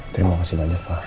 terima kasih banyak pak